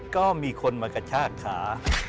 ก็มีคนมากระชากขา